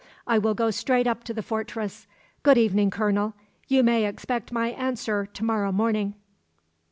I will go straight up to the fortress. Good evening, colonel; you may expect my answer to morrow morning."